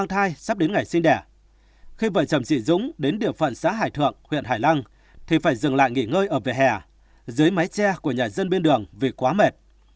tại dừng lại nghỉ ngơi ở về hẻ dưới mái tre của nhà dân bên đường vì quá mệt